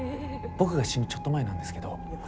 僕が死ぬちょっと前なんですけど。